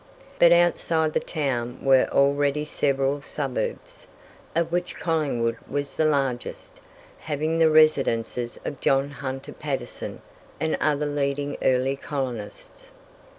But outside the town were already several suburbs, of which Collingwood was the largest, having the residences of John Hunter Patterson and other leading early colonists.